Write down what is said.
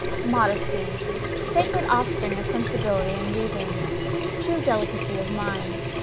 Modesty! Sacred offspring of sensibility and reason! true delicacy of mind!